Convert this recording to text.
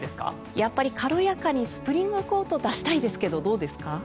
やっぱり軽やかにスプリングコート出したいですけどどうですか？